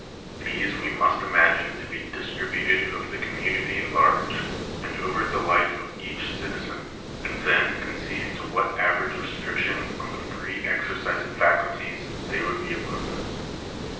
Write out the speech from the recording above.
These we must imagine to be distributed over the community at large, and over the life of each citizen, and then conceive to what average restriction on the free exercise of faculties they would be equivalent.